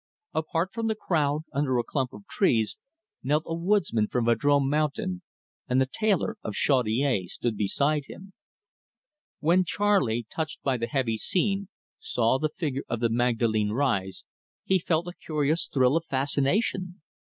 Apart from the crowd, under a clump of trees, knelt a woodsman from Vadrome Mountain, and the tailor of Chaudiere stood beside him. When Charley, touched by the heavy scene, saw the figure of the Magdalene rise, he felt a curious thrill of fascination.